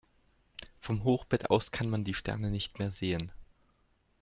Vom Hochbett aus kann man die Sterne nicht mehr sehen.